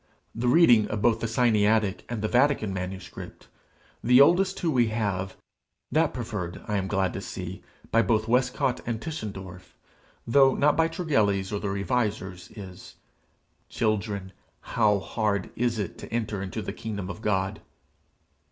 The reading of both the Sinaitic and the Vatican manuscript, the oldest two we have, that preferred, I am glad to see, by both Westcott and Tischendorf, though not by Tregelles or the Revisers, is, "Children, how hard is it to enter into the kingdom of God!"